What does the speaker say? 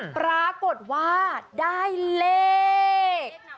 ปรากฏว่าได้เลข๐๕ค่ะ